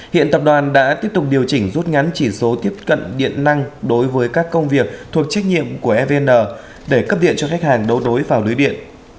hiện tập đoàn đã tiếp tục điều chỉnh rút ngắn chỉ số tiếp cận điện năng đối với các công việc thuộc trách nhiệm của evn để cấp điện cho khách hàng đấu đối vào lưới điện